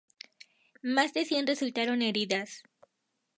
Más de cien resultaron heridas.